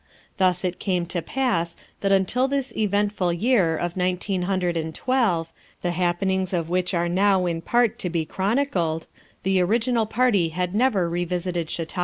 Thus it came to pass that until this eventful year of nineteen hundred and twelve, the happenings of which are now in part to be chronicled, the original party had never revisited Chautauqua.